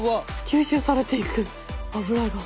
吸収されていく油が。